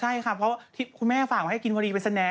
ใช่ค่ะเพราะว่าคุณแม่ฝากไว้ให้กินพอดีไปแสดง